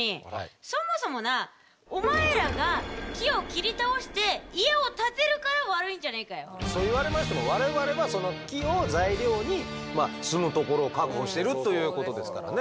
そもそもなお前らがそう言われましても我々はその木を材料に住むところを確保してるということですからね。